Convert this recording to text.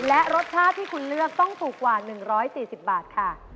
และรสชาติที่คุณเลือกต้องถูกกว่า๑๔๐บาทค่ะ